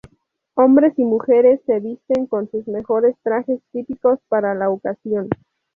Hombres y mujeres se visten con sus mejores trajes típicos para la ocasión.